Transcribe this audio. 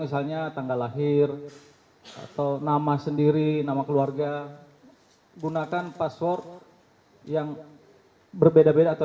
misalnya tanggal lahir atau nama sendiri nama keluarga gunakan password yang berbeda beda atau